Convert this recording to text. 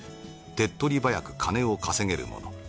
手っ取り早く金を稼げるもの